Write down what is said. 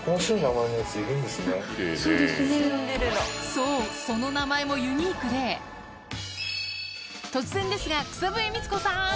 そうその名前もユニークで突然ですが草笛光子さん